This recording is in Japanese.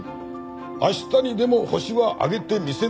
明日にでもホシは挙げてみせますよ。